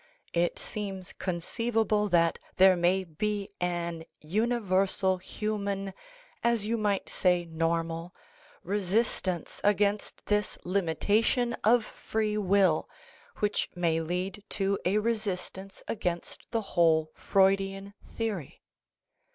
It seems conceivable that there may be an uni versal human, as you might say normal, resistance against this limitation of free will which may lead to a resistance against the whole Freudian theory.